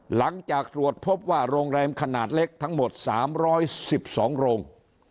หลังจากตรวจพบว่าโรงแรมขนาดเล็กทั้งหมด๓๑๒โรง